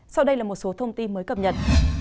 sau đây là một số thông tin mới cập nhật